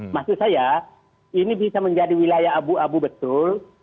maksud saya ini bisa menjadi wilayah abu abu betul